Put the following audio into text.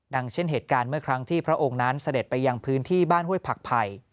เช่นเหตุการณ์เมื่อครั้งที่พระองค์นั้นเสด็จไปยังพื้นที่บ้านห้วยผักไผ่